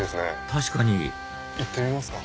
確かに行ってみますか。